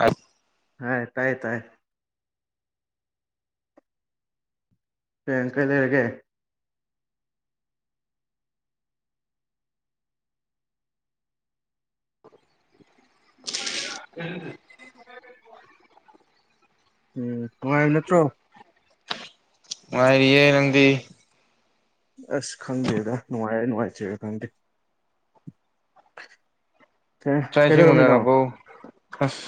ꯑ ꯍꯥꯏ ꯇꯥꯏ ꯇꯥꯏ ꯀꯡ ꯀꯩ ꯂꯩꯔꯒꯦ ꯍ [unintelligible] ꯎꯝ ꯅꯨꯡꯉꯥꯏꯕ ꯅꯠꯇ꯭ꯔꯣ ꯉꯥꯏꯔꯤ ꯌꯦ ꯅꯪꯗꯤ ꯑꯁ ꯈꯪꯗꯦꯗ ꯅꯨꯡꯉꯥꯏꯔ ꯅꯨꯡꯉꯥꯏꯖꯩꯒ ꯈꯪꯗꯦ ꯑꯦ ꯆꯥꯏꯁꯤ ꯀꯩꯗꯧꯔꯝꯃꯤꯅꯣ ꯎꯨꯟꯅꯔꯕꯣ ꯑꯁ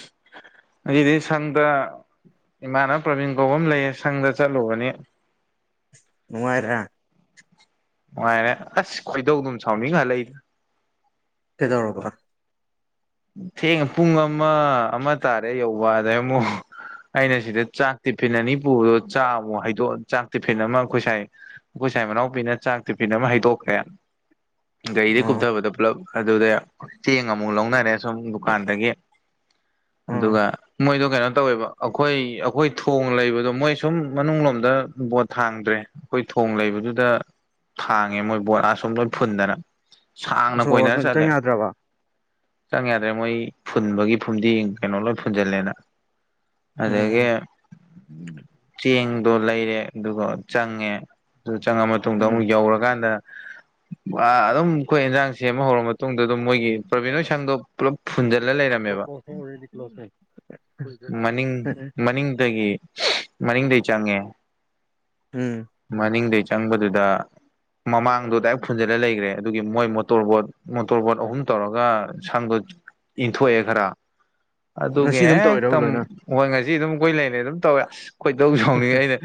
ꯑꯁꯤꯗꯤ ꯁꯟꯗ ꯏꯃꯥꯅ ꯄ꯭ꯔꯕꯤꯟ ꯀꯧꯕ ꯑꯃ ꯂꯩꯌꯦ ꯁꯪꯗ ꯆꯠꯂꯨꯕꯅꯤ ꯅꯨꯡꯥꯏꯔ ꯅꯨꯡꯉꯥꯏꯔꯦ ꯑꯁ ꯈꯣꯏꯗꯧ ꯑꯗꯨꯝ ꯁꯥꯎꯅꯤꯡꯉꯍꯜꯂꯛꯏ ꯀꯩꯗꯧꯔꯕ ꯊꯦꯡꯉ ꯄꯨꯡ ꯑꯃ ꯑꯃ ꯇꯥꯔꯦ ꯌꯧꯕ ꯑꯗꯨꯗꯩ ꯑꯃꯨꯛ ꯑꯩꯅ ꯁꯤꯗ ꯆꯥꯛ ꯇꯤꯐꯤꯟ ꯑꯅꯤ ꯄꯨꯕꯗꯣ ꯆꯥꯃꯛ ꯍꯩꯗꯣꯛꯑ ꯆꯥꯛ ꯇꯤꯐꯤꯟ ꯑꯃ ꯑꯩꯈꯁꯥꯏ ꯑꯩꯈꯣꯏ ꯁꯥꯏ ꯃꯅꯥꯎꯄꯤꯤꯅ ꯆꯥꯛ ꯇꯤꯐꯤ ꯑꯃ ꯍꯩꯗꯣꯛꯈ꯭ꯔꯦꯅ ꯒꯥꯔꯤꯗꯤ ꯑꯣ ꯀꯨꯞꯊꯕꯗꯣ ꯄꯨꯜꯂꯞ ꯑꯗꯨꯗ ꯆꯦꯡ ꯑꯃꯨꯛ ꯂꯧꯅꯔꯦ ꯁꯨꯝ ꯗꯨꯀꯥꯟꯗꯒꯤ [unintelligible] ꯑꯣ ꯑꯗꯨꯒ ꯃꯣꯏꯗꯣ ꯀꯩꯅꯣ ꯇꯧꯋꯦꯕ ꯑꯩꯈꯣꯏ ꯑꯩꯈꯣꯏ ꯊꯣꯡ ꯂꯩꯕꯗꯣ ꯃꯣꯏ ꯁꯨꯝ ꯃꯅꯨꯡ ꯂꯣꯝꯗ ꯈꯥꯡꯗ꯭ꯔꯦ ꯑꯩꯈꯣꯏ ꯊꯣꯡ ꯂꯩꯕꯗꯨꯗ ꯈꯥꯡꯉꯦ ꯃꯣꯏ ꯕꯣꯠ ꯑꯥ ꯁꯨꯝ ꯂꯣꯏ ꯐꯨꯟꯗꯅ ꯁꯥꯡꯅ ꯑꯁꯣ ꯀꯣꯏꯅꯔ ꯑꯁꯣꯝ ꯆꯪ ꯆꯠꯂꯦ ꯌꯥꯗ꯭ꯔꯕ ꯆꯪ ꯌꯥꯗ꯭ꯔꯦ ꯃꯣꯏ ꯐꯨꯟꯕꯒꯤ ꯐꯨꯝꯗꯤ ꯌꯦ ꯀꯩꯅꯣ ꯂꯣꯏ ꯐꯨꯟꯖꯜꯂꯦꯅ ꯑꯗꯨꯗꯒꯤꯦ ꯎꯝ ꯆꯦꯡꯗꯣ ꯂꯩꯔꯦ ꯑꯗꯨꯒ ꯆꯪꯉꯦ ꯑꯗꯨ ꯆꯪꯉ ꯃꯇꯨꯡ ꯃꯇꯨꯡꯗ ꯑꯃꯨꯛ ꯎꯝ ꯌꯧꯔꯀꯥꯟꯗ ꯑꯗꯨꯝ ꯑꯩꯈꯣꯏ ꯏꯟꯖꯥꯡ ꯁꯦꯝꯃ ꯍꯧꯔꯕ ꯃꯇꯨꯡꯗ ꯑꯗꯨꯝ ꯃꯣꯏꯒꯤ ꯄꯕꯤꯟꯣ ꯁꯥꯡꯗꯣ ꯄꯂꯣꯁꯔꯂꯣꯁ ꯃꯅꯤꯡ ꯃꯅꯤꯡꯗꯒꯤ ꯃꯅꯤꯡꯗꯒꯤ ꯆꯪꯉꯦ ꯎꯝ ꯃꯅꯤꯡꯗꯩ ꯆꯪꯕꯗꯨꯗ ꯃꯃꯥꯡꯗꯨꯗ ꯐꯨꯟꯖꯜꯂ ꯂꯩꯈ꯭ꯔꯦ ꯑꯗꯨꯒꯤ ꯃꯣꯏ ꯃꯣꯇꯣꯔꯕꯣꯠ ꯃꯣꯇꯣꯔꯕꯣꯠ ꯑꯍꯨꯝ ꯇꯧꯔꯒ ꯁꯪꯗꯣ ꯏꯟꯊꯣꯛꯑꯦ ꯈꯔ ꯑꯗꯨꯒꯤ ꯉꯁꯤ ꯑꯗꯨꯝ ꯇꯧꯋꯤꯔꯕ ꯍꯦꯛꯇ ꯂꯣꯏꯅ ꯍꯣꯏ ꯉꯁꯤ ꯑꯗꯨꯝ ꯀꯣꯏ ꯂꯩꯅꯤ ꯑꯗꯨꯝ ꯇꯧꯋꯦ ꯀꯣꯏꯗꯧꯁꯨ ꯁꯥꯎꯅꯤꯡꯉꯦ ꯑꯩꯅ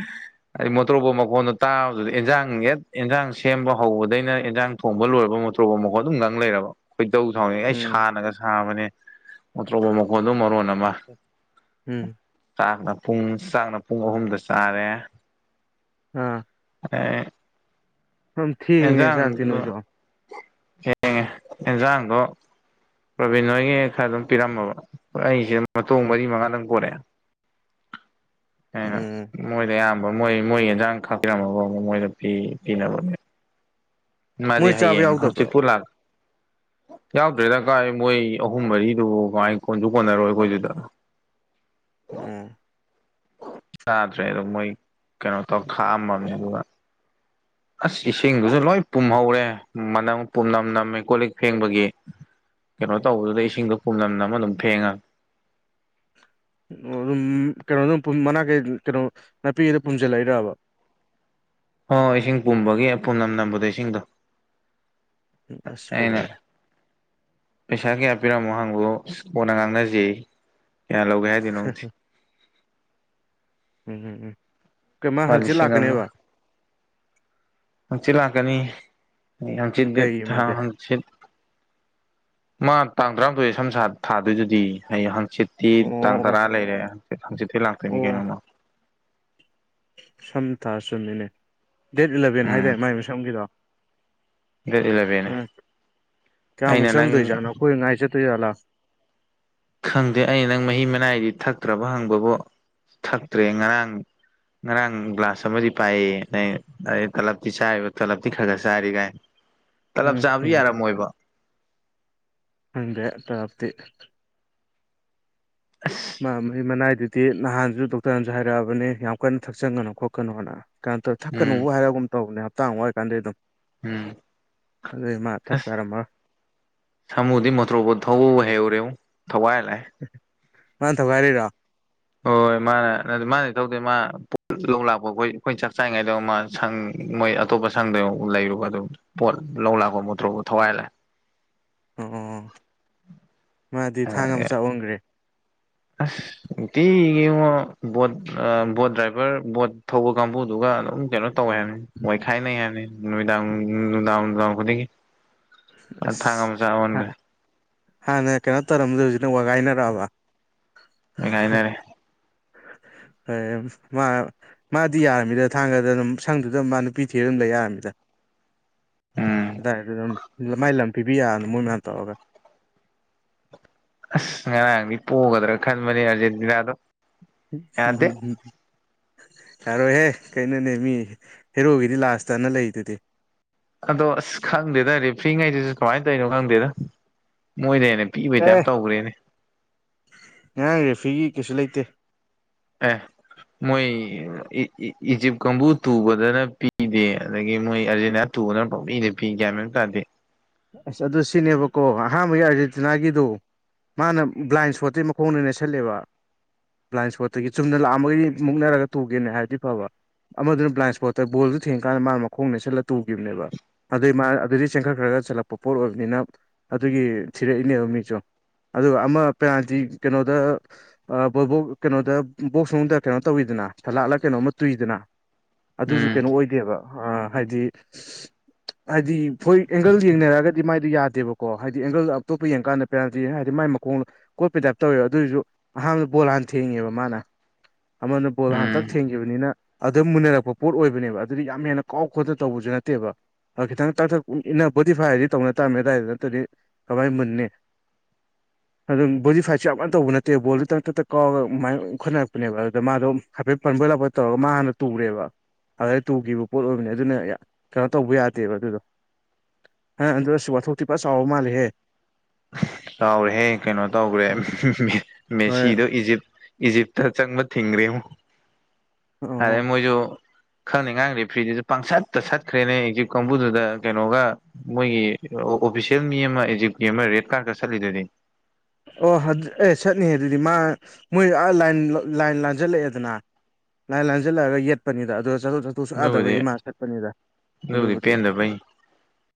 ꯍꯥꯏꯗꯤ ꯃꯣꯇꯣꯔꯣꯕ ꯑꯩꯉꯣꯟꯗ ꯇꯥꯕꯗꯨꯗꯤ ꯏꯟꯖꯥꯡ ꯍꯠ ꯏꯟꯖꯥꯡ ꯁꯦꯝꯕ ꯍꯧꯕꯗꯩꯅ ꯏꯟꯖꯥꯡ ꯊꯣꯡꯕ ꯂꯣꯏꯔꯕ ꯃꯇꯨꯡ ꯄ꯭ꯔꯣꯕꯝ ꯃꯈ ꯑꯗꯨꯝꯒꯥꯡ ꯂꯩꯔꯕ ꯈꯣꯏꯗꯧ ꯊꯥꯎꯅꯤ ꯑꯩ ꯎꯝ ꯁꯥꯅꯒ ꯁꯥꯕꯅꯦ ꯑꯇ꯭ꯔꯣꯕ ꯃꯈꯣꯟꯗꯨꯣ ꯃꯔꯣꯟ ꯑꯃ ꯎꯝ ꯆꯥꯛꯅ ꯄꯨꯡ ꯆꯥꯛꯅ ꯄꯨꯡ ꯑꯍꯨꯝꯗ ꯆꯥꯔꯦ ꯎꯝ ꯑ ꯑꯝ ꯊꯦꯡꯉꯤꯅꯦ ꯆꯥꯛꯇꯤ ꯅꯣꯏꯁꯨ ꯍꯉꯖꯥꯡꯒꯣ ꯔꯣꯕꯤꯟꯣꯏꯒꯤ ꯈꯔ ꯑꯗꯨꯝ ꯄꯤꯔꯝꯃꯕ ꯑꯩꯁꯦ ꯃꯇꯨꯡ ꯃꯔꯤ ꯃꯉꯥꯗꯪ ꯄꯔꯛꯑꯦ ꯑꯩꯅ ꯎꯝ ꯃꯣꯏꯗ ꯑꯌꯥꯝꯕ ꯃꯣꯏ ꯃꯣꯏꯒꯤ ꯌꯦꯟꯖꯥꯡ ꯀꯥꯛꯄꯤꯔꯝꯃꯐꯥꯎ ꯃꯣꯏꯗ ꯄꯤꯅꯕꯅꯦ ꯃꯥꯔꯤ ꯃꯣꯏ ꯆꯥꯕ ꯍꯥꯏꯌꯦꯡ ꯍꯧꯪꯁꯤ ꯌꯥꯎꯗꯕ꯭ꯔꯣ ꯄꯨꯨꯔ ꯂꯥꯜ ꯌꯥꯎꯗ꯭ꯔꯦꯅ ꯀꯥꯏ ꯃꯣꯏ ꯑꯍꯨꯝ ꯃꯔꯤꯗꯨ ꯀꯃꯥꯏ ꯀꯣꯟꯁꯨ ꯀꯣꯟꯅꯔꯣꯏ ꯑꯩꯈꯣꯏꯗꯨꯗ [inaudible] ꯎꯝ ꯆꯥꯗ꯭ꯔꯦ ꯑꯗ ꯃꯣꯏ ꯀꯩꯅꯣ ꯇꯧꯔ ꯈꯥꯛꯑꯝꯃꯅꯦ ꯑꯗꯨꯒ ꯑꯁ ꯏꯁꯤꯡꯗꯨꯁꯨ ꯂꯣꯏ ꯄꯨꯝꯍꯧꯔꯦ ꯃꯅꯝ ꯄꯨꯝꯅꯝꯅ ꯃꯦꯀꯣ ꯂꯤꯛ ꯐꯦꯡꯕꯒꯤ ꯀꯩꯅꯣ ꯇꯧꯕꯗꯨꯗ ꯏꯁꯤꯡꯗꯣ ꯄꯨꯝꯅꯝꯅ ꯑꯃ ꯑꯗꯨꯝ ꯐꯦꯡꯉꯒꯦ ꯑꯣ ꯑꯗꯨꯝ ꯀꯩꯅꯣꯗꯨꯝ ꯃꯅꯥꯛꯀꯩ ꯀꯩꯅꯣ ꯅꯥꯄꯤꯒꯤꯩꯗ ꯄꯨꯨꯝꯁꯤꯜꯂꯛꯏꯗꯕ ꯍ ꯏꯁꯤꯡ ꯄꯨꯝꯕꯒꯤ ꯄꯨꯨ ꯅꯝ ꯅꯝꯕꯗꯣ ꯏꯁꯤꯡꯗꯣ ꯑꯁ ꯑꯏꯩꯅ ꯐꯖꯔꯦ ꯄꯩꯁꯥ ꯀꯌꯥ ꯄꯤꯔꯝꯃꯣ ꯍꯪꯕꯨ ꯀꯣꯟꯅ ꯉꯥꯡꯅꯖꯩ ꯀꯌꯥ ꯂꯧꯒꯦ ꯍꯥꯏꯗꯣꯏꯅꯣ ꯎꯝ ꯎꯝ ꯎꯝ ꯀꯩꯃ ꯍꯪꯆꯤꯠ ꯂꯤꯁꯤꯡ ꯑꯃ ꯂꯥꯛꯀꯅꯤꯕ ꯍꯪꯆꯤꯠ ꯂꯥꯛꯀꯅꯤ ꯑꯩ ꯍꯪꯆꯤꯠ ꯗꯦꯠ ꯀꯩꯒꯤ ꯊꯥ ꯃꯥꯗꯤ ꯍꯪꯆꯤꯠ ꯃꯥ ꯇꯥꯡ ꯇꯔꯥꯃꯥꯊꯣꯏ ꯁꯝ ꯁꯥꯥ ꯊꯥꯗꯣꯏꯗꯨꯗꯤ ꯍꯩꯌꯦꯡ ꯍꯪ ꯍꯪꯆꯤꯠꯇꯤ ꯇꯥꯡ ꯑꯣ ꯑꯣ ꯇꯔꯥ ꯂꯩꯔꯦ ꯍꯪꯆꯤꯠꯇꯤ ꯂꯥꯛꯇꯣꯏꯅꯤ ꯑꯣ ꯀꯩꯅꯣꯃ ꯁꯝ ꯊꯥ ꯆꯨꯝꯃꯤꯅꯦ ꯗꯦꯠ ꯏꯂꯚꯦꯟ ꯎꯝ ꯍꯥꯏꯗꯥꯏ ꯃꯥꯏ ꯃꯁꯝꯒꯤꯗꯣ ꯗꯦꯠ ꯏꯂꯚꯦꯟꯅꯅꯦ ꯎꯝ ꯑꯩꯅ ꯅꯪ ꯍꯣꯏ ꯉꯥꯏ ꯆꯠꯇꯣꯏ ꯖꯥꯠꯂꯥ ꯈꯪꯗꯦ ꯑꯩ ꯅꯪ ꯃꯍꯤ ꯃꯅꯥꯏꯗꯤ ꯊꯛꯇ꯭ꯔꯕ ꯍꯪꯕꯕꯨ ꯊꯛꯇ꯭ꯔꯦ ꯉꯔꯥꯡ ꯉꯔꯥꯡ ꯒ꯭ꯂꯥꯁ ꯑꯃꯗꯤ ꯄꯥꯏꯌꯦ ꯌꯦ ꯑꯩꯅ ꯇꯂꯞꯇꯤ ꯆꯥꯔꯤꯕ ꯇꯂꯞꯇꯤ ꯈꯔ ꯈꯔ ꯆꯥꯔꯤꯒꯥꯏ [unintelligible] ꯎꯝ ꯍꯝ ꯈꯪꯗꯦ ꯇꯂꯞꯇꯤ ꯑꯁ ꯃꯥ ꯃꯍꯤ ꯃꯅꯥꯏꯗꯨꯗꯤ ꯅꯍꯥꯟꯁꯨ ꯗꯣꯛꯇꯔꯅꯁꯨ ꯍꯥꯏꯔꯛꯑꯕꯅꯦ ꯌꯥꯝ ꯀꯟꯅ ꯊꯛꯆꯟꯒꯅꯨ ꯈꯣꯠꯀꯅꯣꯅ ꯀꯥ ꯇꯣ ꯎꯝ ꯊꯛꯀꯅꯨꯕꯨ ꯍꯥꯏꯔꯒꯨꯝ ꯇꯧꯕꯅꯦ ꯍꯞꯇꯥ ꯑꯃ ꯋꯥꯠꯂꯤꯀꯥꯟꯗꯩ ꯑꯗꯨꯝ ꯎꯝ ꯑꯗꯨꯏ ꯃꯥ ꯑꯥ ꯊꯛꯄ ꯌꯥꯔꯝꯃꯔꯣꯏ ꯁꯃꯨꯗꯤ ꯃꯣꯇ꯭ꯔꯣꯕꯣꯠ ꯊꯧꯕꯕꯨ ꯍꯩꯍꯧꯔꯦ ꯉꯣ ꯊꯧꯒꯥꯏ ꯔ ꯂꯥꯛꯑꯦ ꯃꯥꯥꯟ ꯊꯧꯒꯥꯏꯔꯤꯔꯣ ꯍꯣꯏ ꯃꯥꯅ ꯑꯗꯨ ꯃꯥꯗꯤ ꯊꯧꯗꯦ ꯃꯥꯅ ꯂꯧ ꯂꯥꯛꯄ ꯑꯩꯈꯣꯏ ꯑꯩꯈꯣꯏꯅ ꯆꯥꯛ ꯆꯥꯔꯤꯉꯥꯏꯗ ꯑꯣꯏꯔ ꯃꯥꯜꯂꯦ ꯁꯪ ꯃꯣꯏ ꯑꯇꯣꯞꯄ ꯁꯪꯗꯦ ꯂꯩꯔꯨꯕ ꯑꯗꯨꯝ ꯄꯣꯠ ꯂꯧ ꯂꯥꯛꯄ ꯃꯣꯠꯇ꯭ꯔꯣꯕꯣꯠ ꯊꯧꯒꯥꯏꯔ ꯂꯥꯛꯑꯦ ꯑꯣ ꯑꯣ ꯑꯣ ꯃꯥꯗꯤ ꯊꯥꯡ ꯑꯝ ꯆꯥꯛꯍꯟꯈ꯭ꯔꯦ ꯑꯁ ꯅꯨꯡꯇꯤꯒꯤꯅꯤꯉꯣ ꯕꯣꯠ ꯑ ꯕꯣꯠ ꯗ꯭ꯔꯥꯏꯚꯔ ꯕꯣꯠ ꯊꯧꯕ ꯀꯥꯡꯕꯨꯗꯨꯒ ꯑꯗꯨꯝ ꯀꯩꯅꯣ ꯇꯧꯋꯦ ꯍꯥꯏꯕꯅꯤ ꯋꯥꯏꯈꯥꯏꯅꯩ ꯍꯥꯏꯕꯅꯤ ꯅꯨꯃꯤꯗꯥꯡ ꯅꯨꯡꯗꯥꯡ ꯅꯨꯡꯗꯥꯡ ꯈꯨꯗꯤꯡꯒꯤ ꯑ ꯊꯥꯡꯒ ꯃꯆꯥ ꯑꯁ ꯑꯣꯟꯒ꯭ꯔꯦ ꯍꯥꯟꯅ ꯀꯩꯅꯣ ꯇꯧꯔꯝꯕꯗꯣ ꯍꯧꯖꯤꯅ ꯋꯥꯒꯥꯏꯅꯔꯛꯑꯕ ꯋꯥꯢꯒꯥꯢꯅꯔꯦ [inaudible] ꯃꯥꯗꯤ ꯌꯥꯔꯅꯤꯗ ꯊꯥꯡꯒꯗ ꯑꯗꯨꯝ ꯁꯪꯗꯨꯗ ꯃꯥ ꯅꯨꯄꯤ ꯊꯤꯔ ꯑꯗꯨꯝ ꯂꯩ ꯌꯥꯔꯅꯤꯗ ꯎꯝ ꯑꯗꯥꯢꯗꯨꯗ ꯑꯗꯨꯝ ꯃꯥꯏ ꯂꯝ ꯄꯤꯕꯤ ꯌꯥꯔꯕꯅꯦ ꯃꯣꯏ ꯃꯌꯥꯝ ꯇꯧꯔꯒ ꯑꯁ ꯉꯔꯥꯡꯗꯤ ꯄꯣꯒꯗ꯭ꯔꯥ ꯈꯟꯕꯅꯦ ꯑꯥꯔꯖꯦꯟꯇꯤꯅꯥꯗꯣ [inaudible] ꯌꯥꯗꯦ ꯍꯝ ꯍꯝ ꯌꯥꯔꯣꯏꯍꯦ ꯀꯩꯅꯣꯅꯦ ꯃꯤ ꯍꯦꯔꯣꯒꯤꯗꯤ ꯂꯥꯁꯇꯅ ꯂꯩꯗꯨꯗꯤ ꯑꯗꯣ ꯑꯁ ꯈꯪꯗꯦꯗ ꯔꯦꯐ꯭ꯔꯤꯉꯩꯗꯨꯁꯨ ꯀꯃꯥꯏꯅ ꯇꯧꯔꯤꯅꯣ ꯈꯪꯗꯦꯗ ꯃꯣꯏꯅ ꯍꯦꯟꯅ ꯄꯤꯕꯩ ꯑꯦ ꯇꯥꯏꯞ ꯇꯧꯒ꯭ꯔꯦꯅꯦ ꯉꯔꯥꯡ ꯔꯦꯐ꯭ꯔꯤꯒꯤ ꯀꯩꯁꯨ ꯂꯩꯇꯦ ꯑꯦ ꯃꯣꯏ ꯏ ꯏ ꯏꯖꯤꯞ ꯀꯥꯡꯕꯨ ꯇꯨꯕꯗꯅ ꯄꯤ ꯄꯤꯗꯦ ꯑꯗꯒꯤ ꯃꯣꯏ ꯑꯔꯖꯦꯟ ꯇꯨꯕꯗꯅ ꯄꯪꯄꯤꯗ ꯄꯤ ꯄꯤ ꯒ꯭ꯌꯥꯟ ꯃꯦꯟ ꯇꯥꯗꯦ ꯑꯁ ꯑꯗꯨ ꯁꯤꯅꯦꯕꯀꯣ ꯑꯍꯥꯟꯕꯒꯤ ꯑꯥꯔꯖꯦꯟꯇꯤꯅꯥꯒꯤꯗꯣ ꯃꯥꯅ ꯕ꯭ꯂꯥꯏꯟ ꯁꯣꯠꯇꯩ ꯃꯈꯣꯡꯅ ꯅꯦꯠꯁꯟꯂꯦꯕ ꯕ꯭ꯂꯥꯏꯟ ꯏꯁꯄꯣꯠꯇꯒꯤ ꯆꯨꯝꯅ ꯂꯥꯛꯑꯃꯒꯗꯤ ꯃꯨꯛꯅꯔꯒ ꯇꯨꯒ꯭ꯔꯤꯅꯦ ꯍꯥꯏꯔꯗꯤ ꯐꯕ ꯑꯃꯗꯨꯅ ꯕ꯭ꯂꯥꯏꯟ ꯏꯁꯄꯣꯔꯠꯇ ꯕꯣꯜꯗꯨ ꯊꯦꯡꯉꯀꯥꯟꯗ ꯃꯥꯅ ꯃꯈꯣꯡ ꯅꯦꯠꯁꯜꯂ ꯇꯨꯈꯤꯕꯅꯦꯕ ꯑꯗꯨꯏ ꯃꯥ ꯑꯗꯨꯗꯩ ꯆꯦꯟꯈꯠꯈ꯭ꯔꯒ ꯆꯠꯂꯛꯄ ꯄꯣꯠ ꯑꯣꯏꯕꯅꯤꯅ ꯑꯗꯨꯒꯤ ꯊꯤꯔꯛꯏꯅꯦꯕ ꯃꯤꯁꯨ ꯑꯗꯨꯒ ꯑꯃ ꯄꯦꯅꯥꯜꯇꯤ ꯀꯩꯅꯣꯗ ꯑ ꯕꯕꯣꯛ ꯀꯩꯅꯣꯗ ꯕꯣꯛꯁ ꯅꯨꯡꯗ ꯀꯩꯅꯣ ꯇꯧꯋꯤꯗꯅ ꯊꯦꯂꯥꯠꯂ ꯀꯩꯅꯣꯃ ꯇꯨꯏꯗꯅ ꯑꯗꯨꯁꯨ ꯎꯝ ꯀꯩꯅꯣ ꯑꯣꯏꯗꯦꯕ ꯑ ꯍꯥꯏꯗꯤ ꯍꯥꯏꯗꯤ ꯐꯨꯜ [inaudible] ꯑꯦꯡꯒꯜꯒꯤꯅꯦ ꯍꯥꯏꯗꯤ ꯃꯥꯏꯗꯤ ꯌꯥꯗꯦꯕꯀꯣ ꯍꯥꯏꯗꯤ ꯑꯦꯡꯒꯜꯗ ꯑꯇꯣꯞꯄ ꯌꯦꯡ ꯀꯥꯟꯗ ꯄꯦꯅꯥꯜꯇꯤ ꯍꯥꯏꯗꯤꯥ ꯃꯥꯏ ꯃꯈꯣꯡ ꯀꯣ ꯄꯩꯇꯥꯏꯞ ꯇꯧꯋꯦꯕ ꯑꯗꯨꯑꯣꯏꯁꯨ ꯑꯍꯥꯟꯕꯗ ꯕꯣꯜ ꯍꯥꯟꯅ ꯊꯦꯡꯉꯦꯕ ꯃꯥꯅ ꯑꯃꯅ ꯕꯣꯜ ꯍꯥꯟꯅ ꯎꯝ ꯇꯥꯛ ꯊꯦꯡꯈꯤꯕꯅꯤꯅ ꯑꯗꯨ ꯃꯨꯟꯅꯔꯛꯄ ꯄꯣꯠ ꯑꯣꯏꯕꯅꯦꯕ ꯑꯗꯨꯗꯤ ꯌꯥꯝ ꯍꯦꯟꯅ ꯀꯥꯎ ꯈꯣꯠꯇ ꯇꯧꯕꯁꯨ ꯅꯠꯇꯦꯕ ꯈꯤꯇꯪ ꯇꯥꯛꯊꯛ ꯏꯟꯅ ꯕꯣꯗꯤꯐꯥꯏ ꯍꯥꯏꯗꯤ ꯇꯧꯅ ꯇꯥꯝꯃꯦ ꯑꯗꯨꯗꯥꯏꯗ ꯅꯠꯇ꯭ꯔꯗꯤ ꯀꯃꯥꯏꯅ ꯃꯨꯟꯅꯤ [unintelligible] ꯑꯗꯨꯝ ꯕꯣꯗꯤꯐꯥꯏꯠꯁꯨ ꯌꯥꯝꯅ ꯇꯧꯕ ꯅꯠꯇꯦꯕ ꯕꯣꯜꯗ ꯇꯅ ꯇꯞꯇ ꯀꯥꯎꯔꯒ ꯑꯗꯨꯃꯥꯏꯅ ꯎꯠꯅꯔꯛꯄꯅꯦꯕ ꯑꯗꯨꯗ ꯃꯥꯗꯣ ꯍꯥꯏꯐꯦꯠ ꯄꯟꯕꯣꯏ ꯂꯥꯛꯄꯣꯏ ꯇꯧꯔꯒ ꯃꯥ ꯍꯥꯟꯅ ꯇꯨꯔꯦꯕ ꯑꯗ ꯇꯨꯈꯤꯕ ꯄꯣꯠ ꯑꯣꯏꯕꯅꯦ ꯑꯗꯨꯅ ꯀꯩꯅꯣ ꯇꯧꯕ ꯌꯥꯗꯦꯕ ꯑꯗꯨꯗꯣ ꯑꯗꯨ ꯋꯥꯊꯣꯛꯇꯤ ꯄꯨꯔ ꯆꯥꯎꯕ ꯃꯥꯂꯦꯍꯦ ꯆꯥꯎꯔꯦꯍꯦ ꯀꯩꯅꯣ ꯇꯧꯈ꯭ꯔꯦ ꯍꯣꯏ ꯃꯦꯁꯤꯗꯣ ꯏꯖꯤꯞ ꯏꯖꯤꯞꯇ ꯑꯆꯪꯕ ꯊꯤꯡꯒꯔꯦꯉꯣ ꯑꯣ ꯑꯗꯩ ꯃꯣꯏꯁꯨ ꯈꯪꯗꯦ ꯉꯔꯥꯡꯗꯤ ꯐ꯭ꯔꯤꯗꯨꯁꯨ ꯄꯥꯡꯁꯠꯇ ꯁꯠꯈ꯭ꯔꯦꯅꯦ ꯢꯖꯤꯞ ꯀꯥꯡꯕꯨꯗꯨꯗ ꯀꯩꯅꯣꯒ ꯃꯣꯏꯒꯤ ꯑꯣꯐꯤꯁꯦꯜ ꯃꯤ ꯑꯃ ꯑꯦꯖꯤꯞꯀꯤ ꯑꯃ ꯔꯦꯠ ꯀꯥꯠꯛ ꯁꯠꯂꯤꯗꯨꯗꯤ ꯑꯣ ꯑꯦ ꯁꯠꯅꯤ ꯑꯗꯨꯗꯤ ꯃꯥ ꯃꯣꯏ ꯑ ꯂꯥꯏ ꯂꯥꯏꯟ ꯂꯥꯟꯖꯜꯂꯛꯑꯦꯗꯅ ꯂꯥꯏ ꯂꯥꯟꯁꯤꯜꯂꯛꯑꯒ ꯌꯦꯠꯄꯅꯤꯗ ꯑꯗꯨ ꯆꯠꯊꯣꯛ ꯆꯠꯊꯣꯛ ꯁꯨ ꯑꯗꯨꯕꯨꯗꯤ ꯌꯥꯗꯕꯒꯤ ꯏꯃꯥ ꯁꯠꯄꯅꯤꯗ ꯑꯗꯨꯕꯨꯗꯤ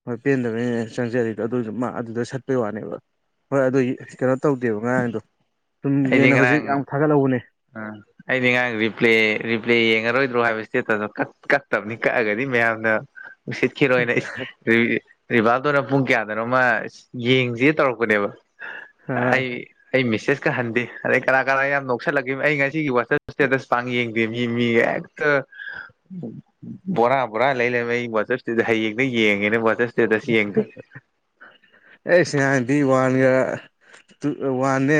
ꯍꯣꯏ ꯄꯦꯟꯗꯕꯅꯤꯅꯅꯦ ꯆꯪꯖꯔꯤꯗꯣ ꯑꯗꯨꯁꯨ ꯃꯥ ꯑꯗꯨꯗ ꯁꯠꯄꯩ ꯋꯥꯅꯦꯕ ꯍꯣꯏ ꯑꯗꯨꯒꯤ ꯇꯧꯗꯦꯕ ꯉꯔꯥꯡ ꯑꯗꯣ ꯁꯨꯝ ꯑꯩꯗꯤ ꯌꯦꯡꯅꯕꯁꯤ ꯍꯧꯖꯤꯛ ꯉꯔꯥꯡ ꯌꯥꯝ ꯊꯥꯒꯠꯍꯧꯕꯅꯦ ꯑꯥ ꯑꯩꯗꯤ ꯉꯉꯥꯡ ꯔꯤꯄ꯭ꯂꯦ ꯔꯤꯄ꯭ꯂꯦ ꯌꯦꯡꯉꯔꯣꯏꯗ꯭ꯔꯣ ꯍꯥꯏꯕ ꯏꯁꯇꯦ ꯀꯠꯇꯕꯅꯤ ꯀꯛꯑꯒꯗꯤ ꯃꯌꯥꯝꯅ ꯎꯆꯠ ꯈꯔꯣꯏꯅ [inaudible] ꯔꯤꯚꯞꯇꯣꯅ ꯄꯨꯡ ꯀꯌꯥꯗꯅꯣꯃ ꯌꯦꯡꯁꯦ ꯇꯧꯔꯛꯄꯅꯦꯕ ꯑ ꯑꯩ ꯑꯩ ꯃꯤꯁꯦꯁ ꯀ ꯍꯥꯟꯗꯤ ꯑꯗꯩ ꯀꯅꯥ ꯀꯅꯥꯅꯣ ꯌꯥꯝ ꯅꯣꯛ ꯅꯣꯛꯁꯜꯂꯛꯈꯤꯕ ꯑꯩ ꯉꯁꯤꯒꯤ ꯋꯥꯆꯞ ꯏꯁꯇꯦꯇꯁ ꯄꯥꯡ ꯌꯦꯡꯗꯦ ꯃꯤ ꯃꯤꯒ ꯍꯦꯛꯇ ꯕꯣꯔꯥ ꯕꯣꯔꯥ ꯂꯩ ꯂꯩꯃꯩ ꯑꯩ ꯋꯥꯆꯥꯞ ꯏꯁꯇꯦꯠꯇ ꯍꯌꯦꯡꯗꯩ ꯌꯦꯡꯉꯥꯒꯦꯅ ꯋꯆꯥꯞ ꯏꯁꯇꯦꯠꯇ ꯌꯦꯡꯗꯦ ꯑꯩꯁꯍꯥꯟꯗꯤ ꯋꯥꯟꯒ ꯋꯥꯟꯅꯦ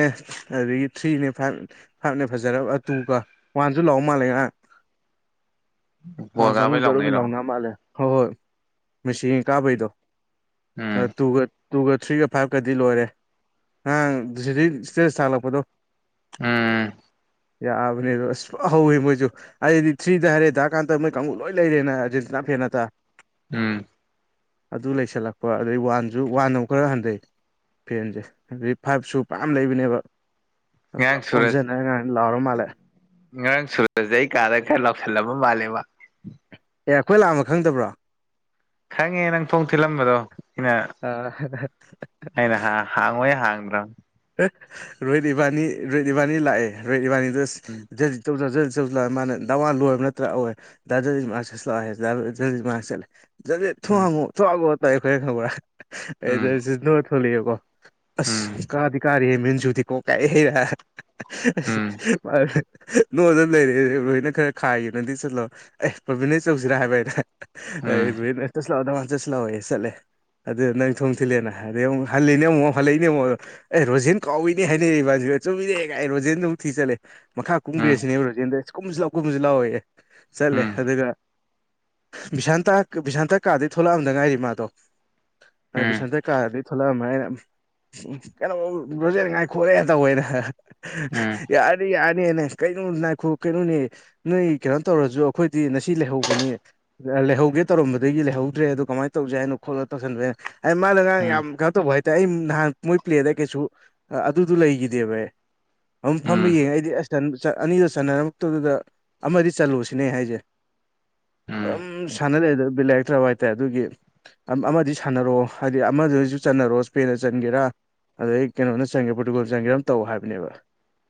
ꯑꯗꯨꯗꯒꯤ ꯊ꯭ꯔꯤꯅꯦ ꯐꯥꯏꯚ ꯐꯞꯅꯦ ꯐꯖꯔꯕ ꯇꯨꯒ ꯋꯥꯟꯁꯨ ꯂꯥꯛꯑꯣ ꯃꯥꯜꯂꯦ ꯉ ꯕꯣꯜ ꯋꯥꯣꯏ ꯀꯥꯡꯕꯨ ꯀꯥꯕꯩ ꯆꯖꯔꯨꯕꯤ ꯂꯥꯎꯅꯩꯔꯣ ꯂꯥꯎꯅꯥ ꯃꯥꯜꯂꯦ ꯍꯣꯏ ꯍꯣꯏ ꯃꯦꯆ ꯀꯥꯕꯩꯗꯣ ꯎꯝ ꯇꯨ ꯇꯨꯒ ꯊ꯭ꯔꯤꯒ ꯐꯥꯏꯚꯀꯗꯤ ꯂꯣꯏꯔꯦ ꯉꯔꯥꯡ ꯁꯤꯛ ꯏꯁꯇꯦꯖ ꯊꯥꯜꯂꯛꯄꯗꯣ ꯎꯝ ꯌꯥꯕꯅꯦꯗ ꯑꯁ ꯍꯧꯋꯦ ꯃꯣꯏꯁꯨ ꯑꯩꯗꯤ ꯊ꯭ꯔꯤꯗ ꯍꯥꯏꯔꯦ ꯆꯀꯥꯟꯗ ꯃꯣꯏ ꯀꯥꯡ ꯂꯣꯏ ꯂꯩꯔꯦꯅ ꯑꯥꯔꯖꯦꯟꯇꯤꯅꯥ ꯐꯦꯟ ꯅꯠꯇ ꯎꯝ ꯑꯗꯨ ꯂꯩꯁꯜꯂꯛꯄ ꯑꯗꯩ ꯋꯥꯟꯁꯨ ꯋꯥꯟ ꯑꯃꯨꯛ ꯈꯔ ꯍꯟꯊꯩ ꯐꯦꯟꯁꯦ ꯑꯗꯤ ꯐꯥꯏꯚ ꯁꯨ ꯃꯌꯥꯝꯌꯥꯝ ꯂꯩꯕꯅꯦꯕ ꯉꯔꯥꯡ ꯄꯨꯂꯞ ꯁꯨꯔꯖ ꯑꯣꯝꯁꯤꯟꯅꯔ ꯉꯥꯏꯅ ꯂꯥꯎꯔ ꯃꯥꯜꯂꯦ ꯉꯔꯥꯡ ꯁꯨꯔꯁꯗ ꯑꯩ ꯀꯥꯗ ꯈꯔ ꯂꯥꯎꯁꯜꯂꯕ ꯃꯥꯜꯂꯦꯕ ꯑꯦ ꯑꯩꯈꯣꯏ ꯂꯥꯛꯑꯝꯃ ꯈꯪꯗꯕ꯭ꯔꯣ ꯈꯪꯉꯦ ꯅꯪ ꯊꯣꯡ ꯊꯤꯜꯂꯝꯕꯗꯣ ꯑꯩꯅ ꯑ ꯑꯩꯅ ꯍꯥꯡꯉꯣꯏ ꯍꯥꯡꯗ꯭ꯔꯣ ꯔꯣꯍꯤꯠ ꯏꯕꯥꯅꯤ ꯔꯣꯍꯤꯠ ꯏꯕꯥꯅꯤ ꯂꯥꯛꯑꯦ ꯔꯣꯍꯤꯠ ꯏꯕꯥꯅꯤꯗ ꯎꯝ ꯑꯧ ꯃꯥꯅ ꯅꯋꯥꯟ ꯂꯣꯏꯕ ꯅꯠꯇ꯭ꯔꯥ ꯑꯣꯏ ꯗꯥ ꯆꯠꯂ ꯆꯠꯂꯦ ꯊ ꯎꯝ ꯍꯉ ꯊ ꯍꯥꯡꯉꯣ ꯇꯥꯏ ꯑꯩꯈꯣꯏ ꯈꯪꯕꯔꯥ ꯎꯝ ꯑꯩ ꯊꯣꯛꯣꯂꯛꯑꯦꯀꯣ ꯑꯁ ꯀꯥꯗꯤ ꯀꯥꯔꯤꯦꯦ ꯃꯦꯟꯖꯨꯗꯤ ꯀꯣꯛ ꯀꯥꯏ ꯍꯩꯔ ꯎꯝ ꯅꯣꯡꯗ ꯂꯩꯔꯦ ꯂꯣꯏꯅ ꯈꯔ ꯈꯥꯏꯌꯦꯦ ꯅꯪꯗꯤ ꯆꯠꯂꯣ ꯑꯦ ꯄ꯭ꯔꯕꯤꯟꯩ ꯆꯧꯁꯤꯔꯥ ꯍꯥꯏꯕ ꯍꯥꯏꯅꯦ ꯎꯝ ꯑꯩ ꯆꯠꯂꯥꯛꯑꯣ ꯅꯃ ꯆꯠꯁꯤꯂꯛꯑꯣ ꯆꯠꯂꯦ ꯑꯗꯨ ꯅꯪ ꯊꯣꯡ ꯊꯤꯜꯂꯦꯅ ꯑꯗꯩ ꯑꯃꯨꯛ ꯍꯜꯂꯤꯅꯦ ꯑꯃꯨꯛ ꯍꯜꯂꯛꯏꯅꯦ ꯑꯃꯛ ꯑꯩ ꯔꯣꯖꯦꯟ ꯀꯥꯎꯏꯅꯦ ꯍꯥꯏꯅꯩ ꯏꯕꯥꯁꯨꯦ ꯆꯨꯝꯃꯤꯔꯦꯒꯥꯏ ꯔꯣꯖꯦꯟ ꯑꯃꯨꯛ ꯊꯤ ꯆꯠꯂꯦ ꯃꯈꯥ ꯎꯝ ꯀꯨꯝꯈ꯭ꯔꯦ ꯎꯝ ꯁꯤꯅꯦꯕ ꯔꯣꯖꯦꯟꯗ ꯀꯨꯝꯁꯨ ꯂꯥꯎ ꯀꯨꯝꯁꯨ ꯂꯥꯎꯋꯦ ꯆꯠꯂꯦ ꯎꯝ ꯑꯗꯨꯒ ꯕꯤꯚꯤꯁꯁꯥꯟꯇ ꯕꯤꯚꯤꯁꯁꯥꯟꯇ ꯀꯥꯗꯒꯤꯩ ꯊꯣꯛꯂꯛꯑꯝꯗ ꯉꯥꯏꯔꯤ ꯃꯥꯗꯣ ꯎꯝ ꯕꯤꯚꯤꯁꯥꯟꯇ ꯀꯥꯗꯗꯤ ꯊꯣꯛꯂꯛꯑꯃ ꯑꯩꯅ ꯀꯩꯅꯣ ꯂꯣꯖꯦꯉꯥꯏ ꯈꯣꯠꯂꯛꯦ ꯇꯧꯩꯅ ꯎꯝ ꯌꯥꯅꯤ ꯌꯥꯅꯤꯅꯦ ꯀꯩꯅꯣ ꯅꯥꯈꯣ ꯀꯩꯅꯣꯅꯦ ꯅꯣꯏ ꯀꯩꯅꯣ ꯇꯧꯔꯁꯨ ꯑꯩꯈꯣꯏꯗꯤ ꯉꯁꯤ ꯂꯩꯍꯧꯕꯅꯤ ꯂꯩꯍꯧꯒꯦ ꯇꯧꯔꯝꯕꯗꯒꯤ ꯂꯩꯍꯧꯗ꯭ꯔꯦ ꯑꯣ ꯀꯃꯥꯏꯅ ꯇꯧꯁꯦ ꯍꯥꯏꯅꯣ ꯈꯣꯠꯂꯣ ꯇꯧꯁꯟꯕꯅ ꯑꯩ ꯃꯥꯅ ꯉꯔꯥꯡ ꯎꯝ ꯌꯥꯝ ꯀꯩꯅꯣ ꯇꯧꯕ ꯍꯥꯏꯇꯥꯔꯦ ꯑꯩ ꯅꯍꯥꯟ ꯃꯣꯏ ꯄ꯭ꯂꯦꯗ ꯀꯩꯁꯨ ꯑꯗꯨꯗꯨ ꯂꯩꯈꯤꯗꯦꯕ ꯑꯦ ꯑꯗꯨꯝ ꯐꯝꯕ ꯌꯦꯡꯉꯦ ꯑꯩꯗꯤ ꯑꯁ ꯑꯅꯤꯗꯨ ꯆꯅꯔꯃꯛꯇꯗꯨꯗ ꯑꯃꯗꯤ ꯆꯠꯂꯨꯁꯤꯅꯦ ꯍꯥꯏꯁꯦ ꯎꯝ ꯎꯝ ꯎ ꯁꯅ ꯂꯩꯗ ꯕ꯭ꯂ ꯋꯥꯏꯠ ꯑ ꯑꯗꯨꯒꯤ ꯑꯃꯗꯤ ꯁꯥꯟꯅꯔꯣ ꯍꯥꯏꯗꯤ ꯑꯃꯗꯨꯁꯨ ꯆꯟꯅꯔꯣ ꯏꯁꯄꯦꯟꯗ ꯆꯟꯒꯦꯔꯥ ꯑꯗꯩ ꯀꯩꯅꯣꯅ ꯆꯪꯒꯦ ꯄ꯭ꯔꯣꯇꯤꯒꯣꯜ ꯆꯪꯒꯦ ꯑꯃ ꯇꯧ ꯍꯥꯏꯕꯅꯦꯕ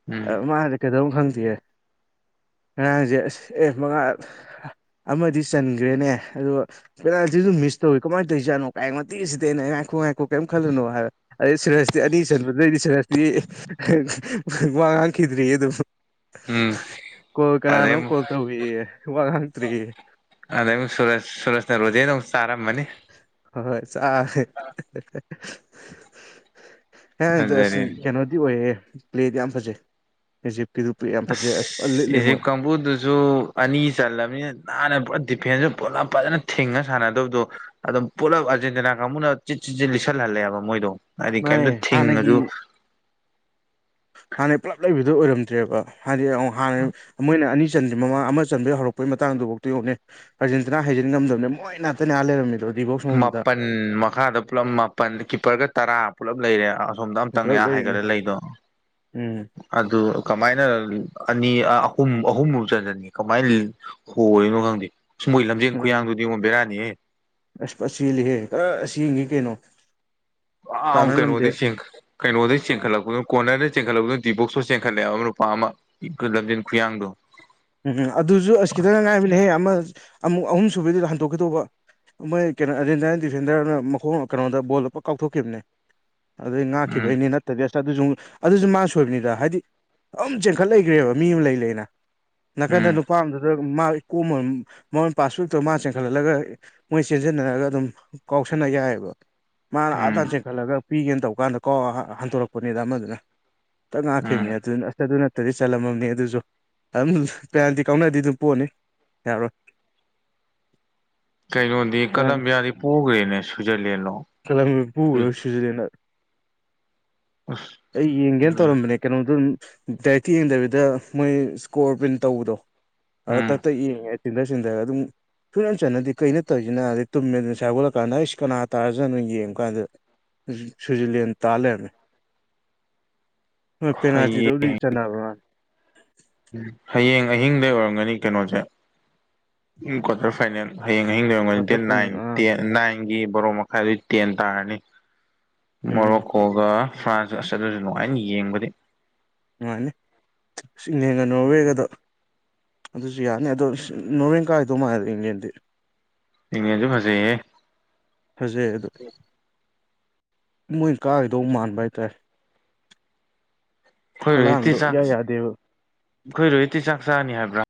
ꯎꯝ ꯃꯥ ꯍꯟꯗꯛ ꯀꯩꯗꯧ ꯈꯪꯗꯦ ꯉꯔꯥꯡꯁꯦ ꯑꯁ ꯑꯦ ꯃꯉꯥ ꯑꯃꯗꯤ ꯆꯟꯈ꯭ꯔꯦꯅꯦ ꯑꯗꯣ ꯄꯦꯅꯥꯜꯇꯤꯁꯨ ꯃꯤꯁ ꯇꯧꯏ ꯀꯃꯥꯏꯅ ꯇꯧꯔꯤꯖꯠꯅꯣ ꯀꯥꯏ ꯃꯇꯇꯦꯁꯤꯗ ꯑꯩꯅ ꯑꯩ ꯉꯥꯏꯈꯣꯛ ꯉꯥꯏꯈꯣꯛ ꯀꯔꯤꯝ ꯈꯜꯂꯅꯣ ꯍꯥꯏꯕ ꯑꯩ ꯁꯨꯔꯁꯇꯤ ꯑꯅꯤ ꯆꯟꯕꯗꯩꯗꯤ ꯁꯨꯔꯁꯇꯤ ꯋꯥ ꯉꯥꯡꯈꯤꯗ꯭ꯔꯤ ꯑꯗꯨꯝ ꯎꯝ ꯀꯣꯣꯏ ꯀꯅꯥꯅꯨ ꯑꯗꯩ ꯑꯃꯨꯛ ꯀꯣꯜꯠꯇ ꯋꯥꯥꯟꯇꯔꯤ ꯑꯗ ꯁꯨꯔꯁ ꯁꯨꯔꯁꯅ ꯔꯣꯖꯦ ꯅꯧ ꯑꯔꯝꯃꯅꯤ ꯍꯣꯏ ꯆꯥꯦ ꯍ ꯑꯁ ꯐꯖꯔꯦ ꯀꯩꯅꯣꯗꯤ ꯑꯣꯏꯌꯦꯦ ꯄ꯭ꯂꯦꯗꯤ ꯌꯥꯝ ꯐꯖꯩꯨꯖꯤꯛ ꯀꯤꯔꯄꯤꯤ ꯌꯥꯝ ꯐꯖꯩ ꯑꯁ ꯂꯤꯠꯂꯤꯦ ꯃꯣꯏ [unintelligible] ꯁꯨ ꯑꯅꯤ ꯆꯜꯂꯕꯅꯤꯅ ꯅꯥꯟꯅ ꯄꯨꯔꯥ ꯗꯤꯐꯦꯟꯁꯁꯨ ꯄꯨꯂꯞ ꯐꯖꯅ ꯊꯤꯡꯉ ꯁꯥꯟꯅꯗꯕꯗꯣ ꯑꯗꯨꯝ ꯄꯨꯜꯂꯞ ꯑꯔꯖꯦꯟꯇꯤꯅꯥ ꯀꯥꯡꯕꯨꯅ ꯆꯤꯠ ꯆꯠꯠ ꯂꯤꯁꯤꯜꯍꯜꯂꯦꯕ ꯃꯣꯏꯗꯣ ꯍꯥꯏꯗꯤ ꯃꯥꯅꯦ ꯀꯩꯝꯇ ꯍꯥꯟꯅꯒꯤ ꯊꯤꯡꯉꯁꯨ ꯍꯥꯟꯅꯩ ꯄꯨꯜꯂꯞ ꯂꯩꯕꯗꯨꯣ ꯑꯣꯏꯔꯝꯗ꯭ꯔꯦꯕ ꯍꯥꯏꯗꯤ ꯍꯥꯟꯅ ꯃꯣꯏꯅ ꯑꯅꯤ ꯆꯟꯗ꯭ꯔꯤ ꯃꯃꯥ ꯑꯃ ꯆꯟꯕꯩ ꯍꯧꯔꯛꯄ ꯃꯇꯥꯡꯗꯨꯐꯥꯎꯗ ꯌꯣꯛꯅꯦ ꯑꯔꯖꯦꯟꯇꯤꯅꯥ ꯍꯥꯏꯖꯤꯟ ꯉꯝꯗꯕꯅꯦ ꯃꯣꯏ ꯅꯥꯠꯇꯅꯤ ꯑꯥ ꯂꯩꯔꯝꯃꯤꯗꯣ ꯗꯤꯕꯣꯛ ꯃꯅꯨꯡꯗꯨꯗ ꯃꯥꯄꯟ ꯃꯈꯥꯗ ꯄꯨꯜꯂꯞ ꯃꯥꯄꯟ ꯀꯤꯞꯄꯔꯒ ꯇꯔꯥ ꯄꯨꯜꯂꯞ ꯂꯩꯔꯦ ꯑꯥ ꯁꯣꯝꯗ ꯑꯝꯇꯪꯉꯦ ꯄꯨꯂꯞ ꯑꯥ ꯂꯩꯔꯤꯅꯦ ꯍꯥꯏꯒꯠꯂ ꯂꯩꯗꯣ ꯎꯝ ꯑꯗꯨ ꯀꯃꯥꯏꯅ ꯑꯅꯤ ꯑꯥ ꯑꯍꯨꯝ ꯑꯍꯨꯝꯕꯨ ꯆꯟꯖꯟꯒꯤ ꯀꯃꯥꯏ ꯂꯤ ꯍꯣꯔꯤꯅꯣ ꯈꯪꯗꯦ ꯏꯁ ꯃꯣꯏ ꯂꯝꯖꯦꯟ ꯎꯝ ꯈꯨꯌꯥꯡꯗꯨꯗꯤꯉꯣ ꯕꯦꯔꯥꯅꯤꯍꯦ ꯑꯁ ꯐ ꯆꯦꯜꯂꯤꯍꯦ ꯒꯔ ꯆꯦꯟꯒꯤ ꯀꯩꯅꯣ ꯑꯥ ꯇꯥꯟꯅ ꯑꯃ ꯉꯝꯗꯦ ꯀꯩꯅꯣꯗꯩ ꯆꯦꯟꯈꯠ ꯀꯩꯅꯣꯗꯩ ꯆꯦꯟꯈꯠꯂꯛꯄꯗꯨꯅ ꯀꯣꯔꯅꯔꯗꯩ ꯆꯦꯟꯈꯠꯂꯛꯄꯗꯨꯅ ꯗꯤ ꯕꯣꯛꯄꯨ ꯆꯦꯟꯈꯠꯂꯛꯑꯦꯕ ꯑꯃ ꯅꯨꯄꯥ ꯑꯃ ꯏꯈ ꯀꯩ ꯂꯝꯖꯟ ꯈꯨꯌꯥꯡꯗꯣ ꯎꯝ ꯑꯗꯨꯁꯨ ꯑꯁ ꯈꯤꯇꯪꯈꯛ ꯉꯥꯏꯕꯅꯦꯍꯦ ꯑꯃ ꯑꯃꯨꯛ ꯑꯍꯨꯝ ꯁꯨꯕꯩꯗꯨꯗ ꯍꯟꯇꯣꯛꯈꯤꯗꯧꯕ ꯃꯣꯏ ꯀꯩꯅꯣ ꯑꯥꯔꯖꯦꯟꯇꯥꯏꯟ ꯗꯤꯐꯦꯟꯗꯔꯗꯨꯅ ꯃꯈꯣꯡꯅ ꯀꯩꯅꯣꯗ ꯕꯣꯜꯗ ꯄꯛ ꯀꯥꯎꯊꯣꯛꯈꯤꯕꯅꯦ ꯑꯗꯩ ꯎꯝ ꯉꯥꯛꯈꯤꯕꯩꯅꯤ ꯅꯠꯇꯗꯤ ꯑꯁ ꯑꯗꯨꯖꯨꯃꯨꯛ ꯑꯗꯨꯁꯨ ꯃꯥꯅ ꯁꯣꯏꯕꯅꯤꯗ ꯍꯥꯏꯗꯤ ꯑꯗꯨꯝ ꯆꯦꯟꯈꯠ ꯂꯩꯒ꯭ꯔꯦꯕ ꯃꯤ ꯑꯃ ꯂꯩ ꯂꯩꯅ ꯅꯥꯀꯟꯗ ꯎꯝ ꯅꯨꯄꯥ ꯑꯃꯗꯨꯗ ꯃꯥ ꯏꯀꯣꯝꯃꯝ ꯃꯉꯣꯟ ꯄꯥꯁ ꯁꯨꯛ ꯇꯧꯔ ꯃꯥꯅ ꯆꯦꯟꯈꯠꯍꯜꯂꯒ ꯃꯣꯏ ꯆꯦꯟꯖꯟꯅꯔꯒ ꯑꯗꯨꯝ ꯀꯥꯎꯁꯟꯅ ꯌꯥꯏꯑꯕ ꯃꯥꯅ ꯑꯥ ꯇꯥꯟ ꯎꯝ ꯆꯦꯟꯈꯠꯂꯒ ꯄꯤꯒꯦꯅ ꯇꯧ ꯀꯥꯟꯗ ꯀꯥꯎ ꯍ ꯍꯟꯇꯣꯔꯛꯄꯅꯤꯗ ꯑꯃꯗꯨꯅ ꯇꯛ ꯎꯝ ꯉꯥꯛꯈꯤꯕꯅꯦ ꯑꯗꯨ ꯑꯁ ꯑꯗꯨ ꯅꯠꯇꯗꯤ ꯆꯜꯂꯝꯃꯝꯅꯤ ꯑꯗꯨꯁꯨ ꯑꯗꯨꯝ ꯄꯦꯅꯥꯜꯇꯤ ꯀꯥꯎꯅꯔꯗꯤ ꯑꯗꯨꯝ ꯄꯣꯅꯤ ꯌꯥꯔꯣꯏ ꯀꯩꯅꯣꯗꯤ ꯀꯂꯝꯕꯤꯌꯥꯗꯤ ꯄꯨꯒ꯭ꯔꯦꯅꯦ ꯁ꯭ꯋꯤꯖꯔꯂꯦꯟꯂꯣ ꯀꯂꯝꯕ꯭ꯌꯥ ꯄꯣꯒ꯭ꯔꯦ ꯍꯥꯏꯔ ꯁ꯭ꯋꯤꯖꯔꯂꯦꯟꯗ ꯑꯁ ꯑꯩ ꯌꯦꯡꯒꯦꯅ ꯇꯧꯔꯝꯕꯅꯦ ꯀꯩꯅꯣꯗꯗꯨꯝ ꯗꯥꯏꯔꯦꯛꯇꯤ ꯌꯦꯡꯗꯕꯤꯗ ꯃꯣꯏ ꯏꯁꯀꯣꯔ ꯄ꯭ꯔꯤꯟ ꯇꯧꯕꯗꯣ ꯑ ꯇꯛ ꯎꯝ ꯇꯛ ꯌꯦꯡꯉꯦ ꯆꯤꯟꯗ ꯆꯤꯟꯗꯔ ꯑꯗꯨꯝ ꯐꯨꯠ ꯑꯝ ꯆꯟꯅꯗꯦ ꯀꯩꯅꯣ ꯇꯧꯖꯤꯅ ꯑꯗꯩ ꯇꯨꯝꯃꯦ ꯑꯗꯨ ꯉꯁꯥꯏ ꯍꯧꯒꯠꯂꯀꯥꯟꯗ ꯍꯥꯏꯁ ꯀꯅꯥ ꯇꯥꯔꯖꯥꯠꯅꯣ ꯌꯦꯡꯕ ꯀꯥꯟꯗ ꯁ꯭ꯋꯤꯖꯔꯂꯦꯟ ꯇꯥ ꯂꯩꯔꯝꯃꯦ ꯍꯣꯏ ꯍꯌꯦꯡ ꯄꯦꯅꯥꯜꯇꯤꯗꯕꯨꯗꯤ ꯆꯥꯟꯅꯕ ꯃꯥꯜꯂꯦ ꯎꯝ ꯍꯌꯦꯡ ꯑꯍꯤꯡꯗꯩ ꯑꯣꯏꯔꯝꯒꯅꯤ ꯀꯩꯅꯣꯖꯦ ꯎꯝ ꯀ꯭ꯋꯥꯇꯔ ꯐꯥꯏꯅꯦꯜ ꯍꯌꯦꯡ ꯑꯍꯤꯡꯗꯩ ꯑꯣꯏꯔꯝꯒꯅꯤ ꯗꯦꯠ ꯀ꯭ꯋꯥꯇꯔ ꯅꯥꯏꯟ ꯐꯥꯏꯅꯦꯜ ꯑꯥ ꯇꯦꯟ ꯅꯥꯏꯟ ꯒꯤ ꯕꯥꯔꯣ ꯃꯈꯥꯏꯗꯨꯗꯤ ꯇꯦꯟ ꯇꯥꯔꯅꯤ ꯎꯝ ꯃꯣꯔꯣꯛ ꯀꯣꯒ ꯐ꯭ꯔꯥꯟꯁ ꯑꯁ ꯑꯗꯨꯁꯨ ꯅꯨꯡꯉꯥꯏꯅꯤ ꯌꯦꯡꯕꯗꯤ ꯅꯨꯡꯉꯥꯏꯅꯤ ꯏꯁ ꯏꯪꯂꯦꯟꯒ ꯅꯣꯔꯋꯦꯒꯗꯣ ꯑꯗꯨꯁꯨ ꯌꯥꯅꯤ ꯑꯗꯣ ꯏꯁ ꯅꯣꯔꯋꯦꯅ ꯀꯥꯒꯤꯗꯧ ꯃꯥꯥꯜꯂꯤꯗ ꯏꯪꯂꯦꯟꯗꯤ ꯏꯡꯂꯦꯟꯗꯁꯨ ꯐꯖꯩꯍꯦ ꯐꯖꯩ ꯑꯗꯣ ꯃꯣꯏꯅ ꯀꯥꯈꯤꯗꯧ ꯃꯥꯟꯕ ꯍꯥꯏꯇꯥꯔꯦ ꯑꯩꯈꯣꯏ ꯔꯣꯍꯤꯠꯇꯤ ꯍꯂꯥꯟꯗꯣ ꯆꯥꯛ ꯏꯌꯥ ꯌꯥꯗꯦꯕ ꯑꯩꯈꯣꯏ ꯔꯣꯍꯤꯠꯇꯤ ꯆꯥꯛ ꯆꯥꯅꯤ ꯍꯥꯏꯕ꯭ꯔꯥ